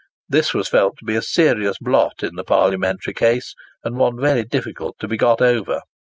This was felt to be a serious blot in the parliamentary case, and one very difficult to be got over.